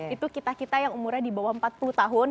itu kita kita yang umurnya di bawah empat puluh tahun